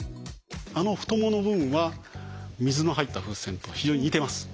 あの太ももの部分は水の入った風船と非常に似てます。